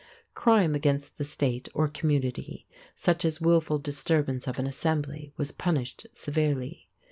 Crime against the State or community, such as wilful disturbance of an assembly, was punished severely.